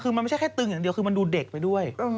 คือมันไม่ใช่แค่ตึงอย่างเดียวคือมันดูเด็กไปด้วย